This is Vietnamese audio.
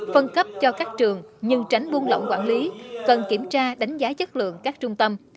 phân cấp cho các trường nhưng tránh buông lỏng quản lý cần kiểm tra đánh giá chất lượng các trung tâm